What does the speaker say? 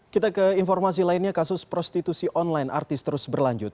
kita ke informasi lainnya kasus prostitusi online artis terus berlanjut